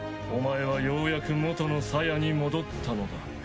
お前はようやく元のさやに戻ったのだ。